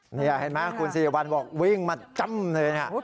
เห็นไหมครับคุณสิริวันวิ่งมาจำเลยครับ